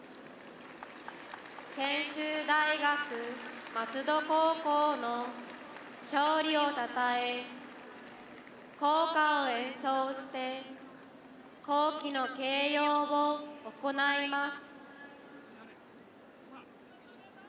専修大学松戸高校の勝利をたたえ校歌を演奏して校旗の掲揚を行います。